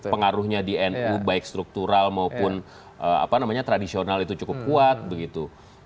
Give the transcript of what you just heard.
pengaruhnya di nu baik struktural maupun tradisional itu cukup kuat begitu